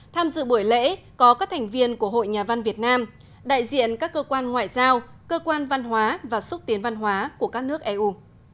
tham dự buổi lễ có các thành viên của hội nhà văn việt nam đại diện các cơ quan ngoại giao cơ quan văn hóa và xúc tiến văn hóa của các nước eu